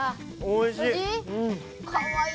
おいしい？